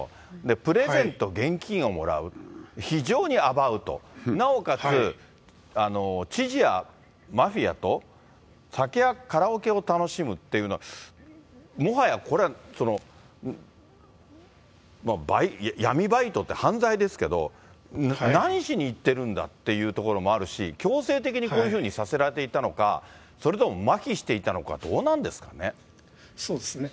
プレゼント、現金をもらう、非常にアバウト、なおかつ、知事やマフィアと酒やカラオケを楽しむっていうのは、もはやこれは、闇バイトって犯罪ですけど、何しに行ってるんだっていうところもあるし、強制的にこういうふうにさせられていたのか、それともまひしていたのか、そうですね。